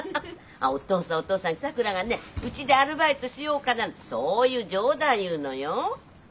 あっお父さんお父さんさくらがねうちでアルバイトしようかなんてそういう冗談言うのよ。